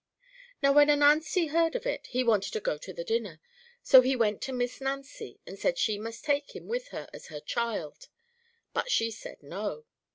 Now when Ananzi heard of it, he wanted to go to the dinner, so he went to Miss Nancy, and said she must take him with her as her child, but she said, "No."